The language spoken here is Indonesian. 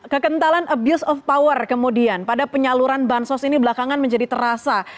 kekentalan abuse of power kemudian pada penyaluran bansos ini belakangan menjadi terasa